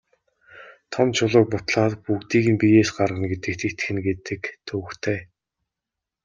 Том чулууг бутлаад бүгдийг нь биеэс гаргана гэдэгт итгэнэ гэдэг төвөгтэй.